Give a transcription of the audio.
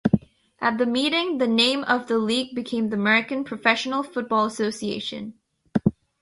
At the meeting, the name of the league became the American Professional Football Association.